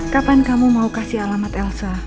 kapan kamu mau kasih alamat elsa